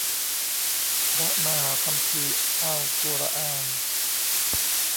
พระมหาคัมภีร์อัลกุรอาน